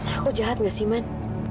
aku jahat gak siman